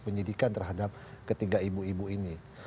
penyidikan terhadap ketiga ibu ibu ini